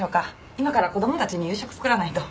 今から子供たちに夕食作らないと。